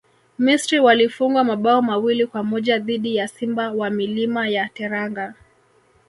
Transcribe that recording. misri walifungwa mabao mawili kwa moja dhidi ya simba wa milima ya teranga